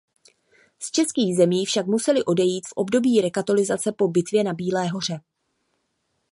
Z českých zemí však museli odejít v období rekatolizace po bitvě na Bílé hoře.